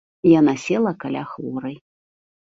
Яна села каля хворай.